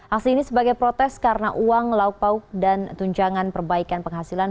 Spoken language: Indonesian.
aksi ini sebagai protes karena uang lauk pauk dan tunjangan perbaikan penghasilan